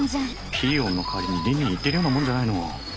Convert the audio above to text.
ピー音の代わりにリンリン言ってるよなもんじゃないの。